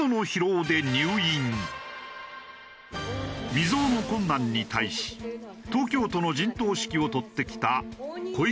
未曽有の困難に対し東京都の陣頭指揮を執ってきた小池知事。